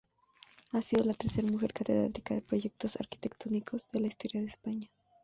Ha sido la tercera mujer catedrática de Proyectos Arquitectónicos de la historia de España.